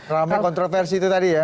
rama kontroversi itu tadi ya